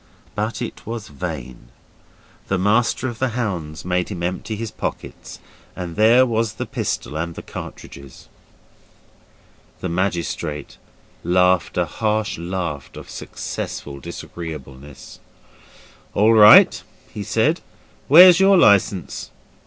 But it was vain. The Master of the Hounds made him empty his pockets, and there was the pistol and the cartridges. The magistrate laughed a harsh laugh of successful disagreeableness. 'All right,' said he, 'where's your licence?